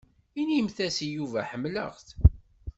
Inimt-as i Yuba ḥemmleɣ-t.